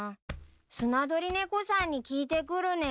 スナドリネコさんに聞いてくるね。